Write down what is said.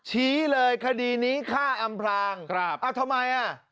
ชี้เลยคดีนี้ฆ่าอำพลางครับเอาทำไมอ่ะ